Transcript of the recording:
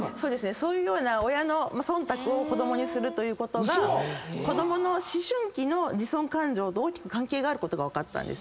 そういうような。ということが子供の思春期の自尊感情と大きく関係があることが分かったんです。